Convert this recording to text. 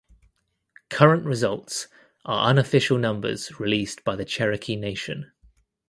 Current results are unofficial numbers released by the Cherokee Nation.